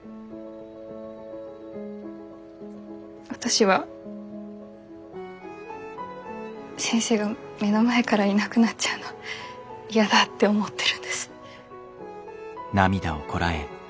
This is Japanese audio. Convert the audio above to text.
私は先生が目の前からいなくなっちゃうのやだって思ってるんです。